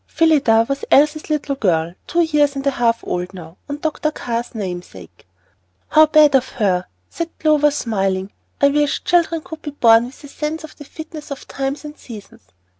Phillida was Elsie's little girl, two years and a half old now, and Dr. Carr's namesake. "How bad of her!" said Clover, smiling. "I wish children could be born with a sense of the fitness of times and seasons.